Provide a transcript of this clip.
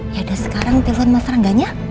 yaudah sekarang telfon mas rangganya